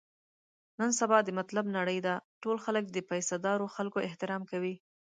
نن سبا د مطلب نړۍ ده، ټول خلک د پیسه دارو خلکو احترام کوي.